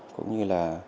cũng như là